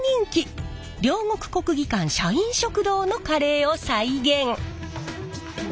両国国技館社員食堂のカレーを再現。